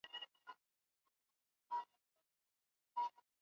kajiji ni nyumba ambazo zina umbo la nyota au mviringo na hujengwa na wanawake